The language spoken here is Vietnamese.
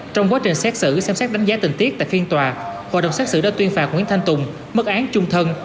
trong quá trình xét xử xem xét đánh giá tình tiết tại phiên tòa hội đồng xét xử đã tuyên phạt nguyễn thanh tùng mức án trung thân